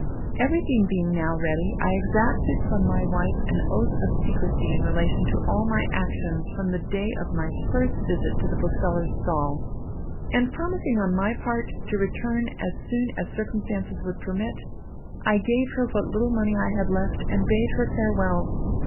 "Everything being now ready, I exacted from my wife an oath of secrecy in relation to all my actions from the day of my first visit to the bookseller's stall; and promising, on my part, to return as soon as circumstances would permit, I gave her what little money I had left, and bade her farewell.